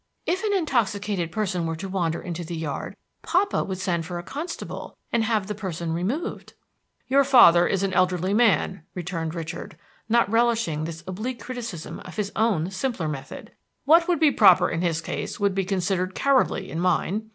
"If an intoxicated person were to wander into the yard, papa would send for a constable, and have the person removed." "Your father is an elderly man," returned Richard, not relishing this oblique criticism of his own simpler method. "What would be proper in his case would be considered cowardly in mine.